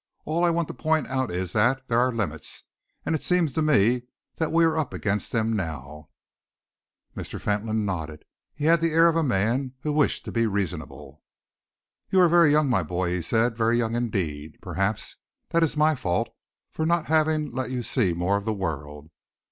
All I want to point out is that there are limits, and it seems to me that we are up against them now." Mr. Fentolin nodded. He had the air of a man who wishes to be reasonable. "You are very young, my boy," he said, "very young indeed. Perhaps that is my fault for not having let you see more of the world.